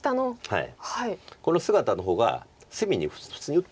はい。